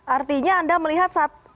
artinya anda melihat saat